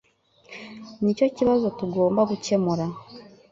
Nicyo kibazo tugomba gukemura.